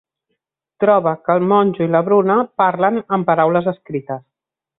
Troba que el monjo i la Bruna parlen amb paraules escrites.